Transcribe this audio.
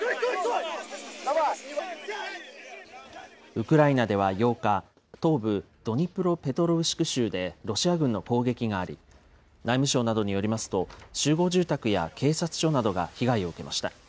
ウクライナでは８日、東部ドニプロペトロウシク州でロシア軍の攻撃があり、内務省などによりますと、集合住宅や警察署などが被害を受けました。